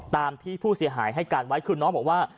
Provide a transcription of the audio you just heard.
ตามที่ผู้เสียหายให้การไว้คือน้องบอกว่า